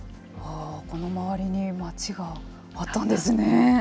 この周りに町があったんですね。